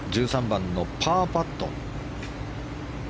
１３番のパーパット。